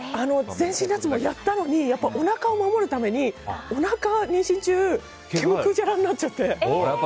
全身脱毛やったのにおなかを守るためにおなか、妊娠中毛むくじゃらになっちゃって。